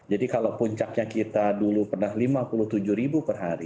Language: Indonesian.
jadi kalau puncaknya kita dulu pernah lima puluh tujuh ribu